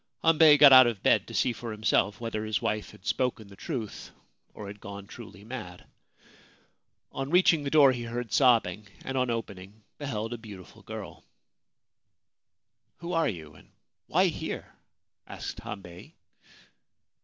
1 Old woman. 322 The Dragon Shaped Plum Tree Hambei got out of bed, to see for himself whether his wife had spoken the truth or had gone truly mad. On reaching the door he heard sobbing, and, on opening, beheld a beautiful girl. ' Who are you, and why here ?' asked Hambei.